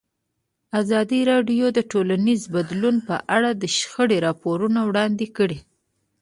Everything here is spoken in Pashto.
ازادي راډیو د ټولنیز بدلون په اړه د شخړو راپورونه وړاندې کړي.